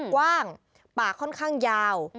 กว้างปากค่อนข้างยาว